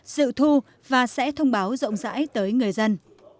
sự thu và sẽ thông báo rộng rãi tới người dân